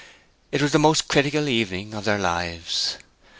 It was the most critical evening of their lives.